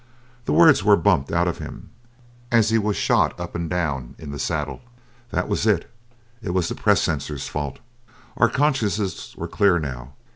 The words were bumped out of him as he was shot up and down in the saddle. That was it. It was the press censor's fault. Our consciences were clear now.